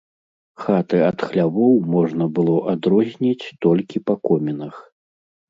Хаты ад хлявоў можна было адрозніць толькі па комінах.